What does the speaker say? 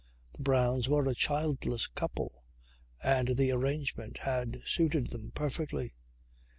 The Browns were a childless couple and the arrangement had suited them perfectly.